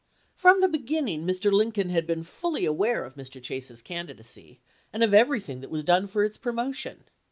From the beginning Mr. Lincoln had been fuUy aware of Mr. Chase's candidacy and of everything that was done for its promotion.